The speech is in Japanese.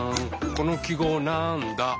この記号なんだ？